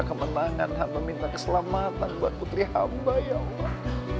minta kemenangan hamba minta keselamatan buat putri hamba ya allah